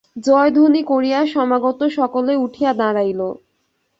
জয়ধ্বনি করিয়া সমাগত সকলে উঠিয়া দাঁড়াইল।